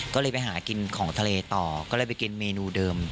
ก็เลยไปหากินของทะเลต่อก็เลยไปกินเมนูเดิม